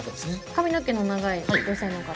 髪の毛の長い女性の方？